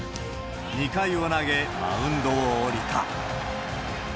２回を投げ、マウンドを降りた。